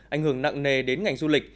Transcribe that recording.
ảnh hưởng nặng nề đến ngành du lịch